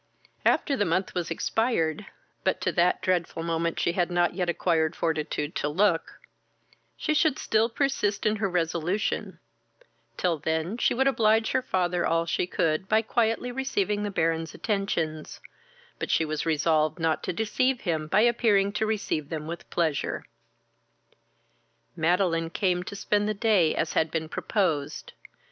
After the month was expired, (but to that dreadful moment she had not yet acquired fortitude to look,) she should still persist in her resolution; till then she would oblige her father all she could by quietly receiving the Baron's attentions; but she was resolved not to deceive him by appearing to receive them with pleasure. Madeline came to spend the day as had been proposed.